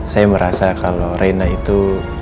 saya merasa kalau rena itu